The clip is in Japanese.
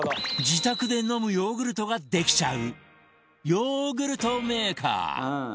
自宅で飲むヨーグルトができちゃうヨーグルトメーカー